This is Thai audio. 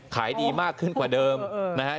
ขายดีมากขึ้นกว่าเดิมนะฮะ